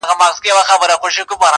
سپوږمۍ مو لاري څاري پیغامونه تښتوي٫